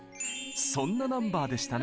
そんなナンバーでしたね。